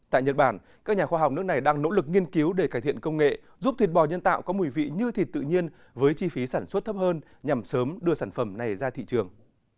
tại nhật bản các nhà khoa học nước này đang nỗ lực nghiên cứu để cải thiện công nghệ giúp thịt bò nhân tạo có mùi vị như thịt tự nhiên với chi phí sản xuất thấp hơn nhằm sớm đưa sản phẩm này ra thị trường